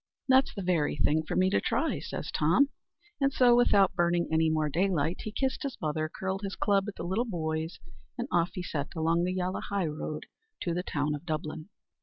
"That's the very thing for me to try," says Tom; and so, without burning any more daylight, he kissed his mother, curled his club at the little boys, and off he set along the yalla highroad to the town of Dublin.